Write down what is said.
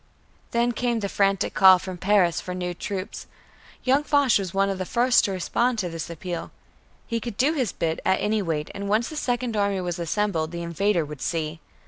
Then came the frantic call from Paris for new troops. Young Foch was one of the first to respond to this appeal. He could do his bit, at any rate, and once the Second Army was assembled, the invader would see!